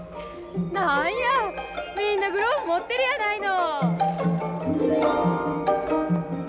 何やみんなグローブ持ってるやないの！